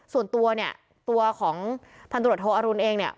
ส่วนตัวเนี่ยตัวของพันตรวจโทอรุณเองเนี่ย